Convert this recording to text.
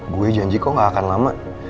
gue janji kok gak akan lama